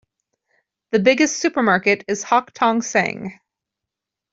The biggest supermarket is Hock Tong Seng.